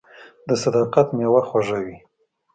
• د صداقت میوه خوږه وي.